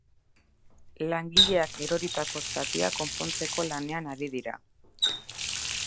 Langileak eroritako zatia konpontzeko lanean ari dira.